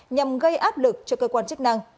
nhằm gây áp lực cho cơ quan chức năng